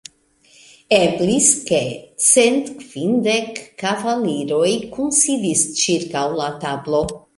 Eblis ke cent kvindek kavaliroj kunsidis ĉirkaŭ la tablo.